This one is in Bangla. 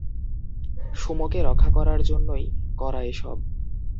সুমোকে রক্ষা করার জন্যই করা এসব।